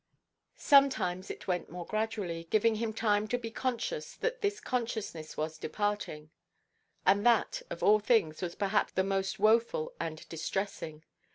Sometimes it went more gradually, giving him time to be conscious that his consciousness was departing; and that of all things was perhaps the most woeful and distressing.